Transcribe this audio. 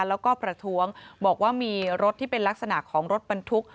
แล้วก็ประท้วงบอกว่ามีรถที่เป็นลักษณะของรถบรรทุก